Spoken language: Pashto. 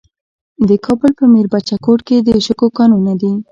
د کابل په میربچه کوټ کې د شګو کانونه دي.